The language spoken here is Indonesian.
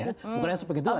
bukan hanya sepengetahuan